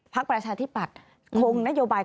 ภักดิ์ประชาธิบัตรคงนโยบาย